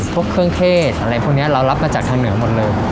พวกเครื่องเทศอะไรพวกนี้เรารับมาจากทางเหนือหมดเลย